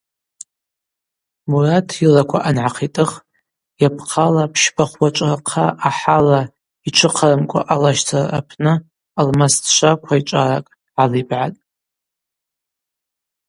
Мурат йылаква ангӏахъитӏых йапхъала пщба-хвба чӏвырхъа ахӏала йчвыхъарамкӏва алащцара апны алмастшва квайчӏваракӏ гӏалибгӏатӏ.